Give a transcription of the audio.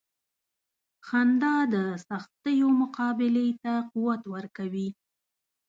• خندا د سختیو مقابلې ته قوت ورکوي.